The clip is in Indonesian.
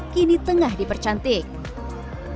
kini tengah dipercantikkan